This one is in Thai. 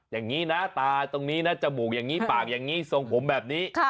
อย่างนี้นะตาตรงนี้นะจมูกอย่างนี้ปากอย่างนี้ทรงผมแบบนี้